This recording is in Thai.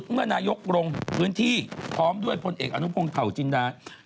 เฮ้ยกำลังอ่านข่าวอยู่ไอ้บ้า